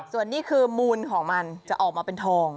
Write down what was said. ส่วนนี้คือมูลของมันจะออกมาเป็นทอง